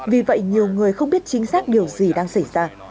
vì vậy nhiều người không biết chính xác điều gì đang xảy ra